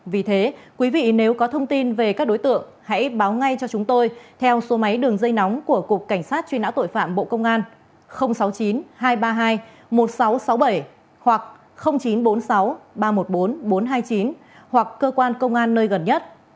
vì thế quý vị nếu có thông tin về các đối tượng hãy báo ngay cho chúng tôi theo số máy đường dây nóng của cục cảnh sát truy nã tội phạm bộ công an sáu mươi chín hai trăm ba mươi hai một nghìn sáu trăm sáu mươi bảy hoặc chín trăm bốn mươi sáu ba trăm một mươi bốn bốn trăm hai mươi chín hoặc cơ quan công an nơi gần nhất